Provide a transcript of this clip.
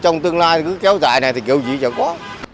trong tương lai cứ kéo dài này thì kiểu gì chẳng có